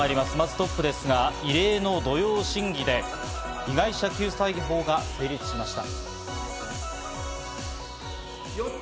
トップは異例の土曜審議で、被害者救済法が成立しました。